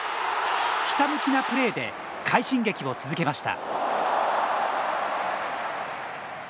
ひたむきなプレーで快進撃を続けました。